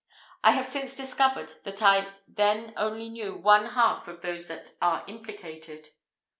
I have since discovered that I then only knew one half of those that are implicated.